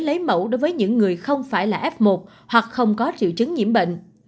lấy mẫu đối với những người không phải là f một hoặc không có triệu chứng nhiễm bệnh